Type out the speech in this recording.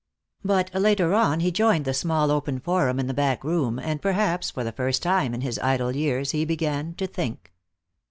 But later on he joined the small open forum in the back room, and perhaps for the first time in his idle years he began to think.